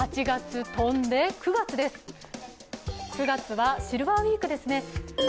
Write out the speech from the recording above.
８月飛んで９月はシルバーウィークですね。